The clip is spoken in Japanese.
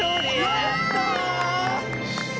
やった！